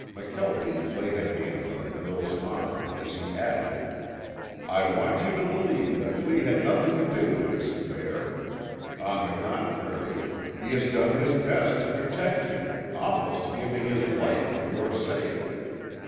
McKelvie laid a hand on the girl's arm, as he added: "I want you to believe that Lee had nothing to do with this affair. On the contrary, he has done his best to protect you, almost giving his life for your sake.